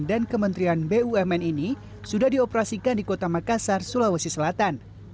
dan kementerian bumn ini sudah dioperasikan di kota makassar sulawesi selatan